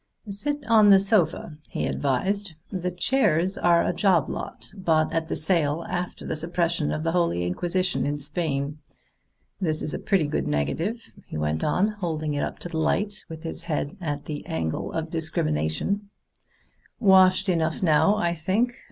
"Sit on the sofa," he advised. "The chairs are a job lot bought at the sale after the suppression of the Holy Inquisition in Spain. This is a pretty good negative," he went on, holding it up to the light with his head at the angle of discriminating judgment. "Washed enough now, I think.